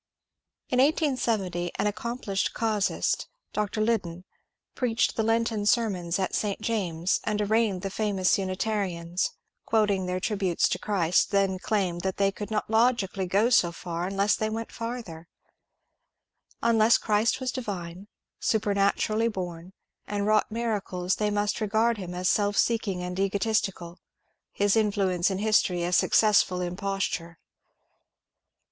In 1870 an accomplished casuist. Dr. Liddon, preached the Lenten sermons at St. James's, and arraigned the famous Unitarians, quoting their tributes to Christ, then claimed that they could not logically go so far unless they went farther : unless Christ was divine, supematurally bom, and wrought miracles, they must regard him as self seeking and egotistical, his influence in history a successful imposture.